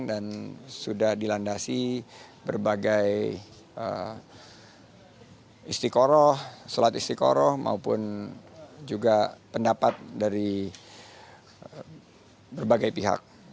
dan sudah dilandasi berbagai istikoroh solat istikoroh maupun juga pendapat dari berbagai pihak